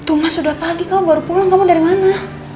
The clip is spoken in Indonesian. tuh mas sudah pagi kamu baru pulang kamu dari mana